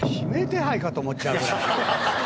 かと思っちゃうぐらい。